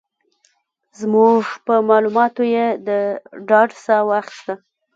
زموږ په مالوماتو یې د ډاډ ساه واخيسته.